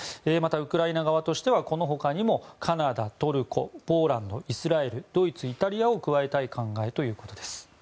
また、ウクライナ側としてはこのほかにカナダ、トルコポーランド、イスラエルドイツ、イタリアを加えたい考えということです。